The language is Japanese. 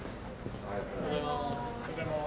おはようございます。